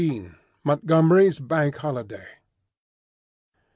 MONTGOMERY'S "BANK HOLIDAY."